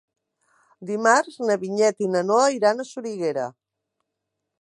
Dimarts na Vinyet i na Noa iran a Soriguera.